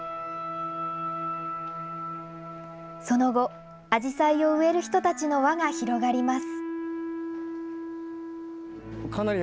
その後、あじさいを植える人たちの輪が広がります。